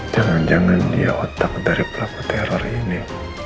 jangan jangan dia otak dari pelaku teror ini